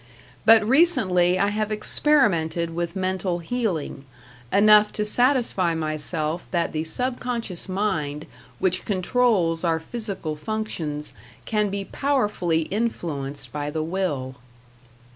But recently I have experimented with mental healing enough to satisfy myself that the subconscious mind which controls our physical functions can be powerfully influenced by the will.